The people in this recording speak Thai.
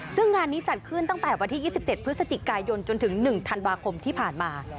ซึ่งงานนี้จัดขึ้นตั้งแต่วันที่๒๗พฤศจิกายนจนถึง๑ธันวาคมที่ผ่านมา